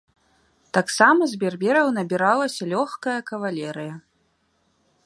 Таксама з бербераў набіралася лёгкая кавалерыя.